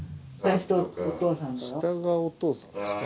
下がお父さんですか？